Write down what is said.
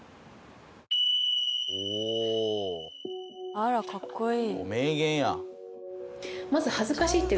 あらかっこいい。